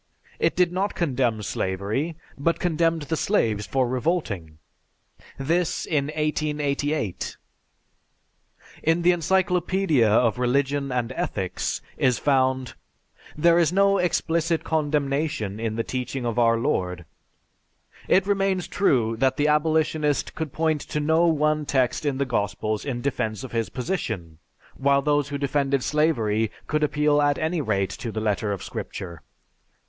It did not condemn slavery, but condemned the slaves for revolting. This in 1888! In the "Encyclopedia of Religion and Ethics" is found: "There is no explicit condemnation in the teaching of our Lord.... It remains true that the abolitionist could point to no one text in the Gospels in defense of his position, while those who defended slavery could appeal at any rate to the letter of Scripture."